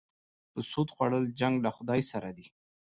سود خوړل جنګ له خدای سره دی.